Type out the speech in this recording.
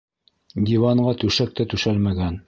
Диванға түшәк тә түшәлмәгән.